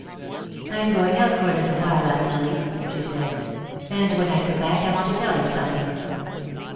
"I am going out for a little while, Aunt Nellie," she said, "and when I come back I want to tell you something."